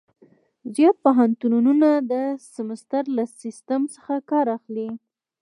زیات پوهنتونونه د سمستر له سیسټم څخه کار اخلي.